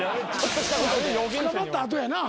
捕まった後やな。